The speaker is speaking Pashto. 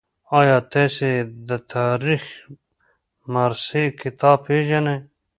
آیا تاسي د تاریخ مرصع کتاب پېژنئ؟